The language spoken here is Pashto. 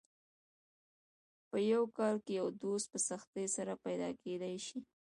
په یو کال کې یو دوست په سختۍ سره پیدا کېدای شي.